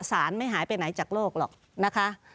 สารไม่หายไปไหนจากโลกหรอกนะคะ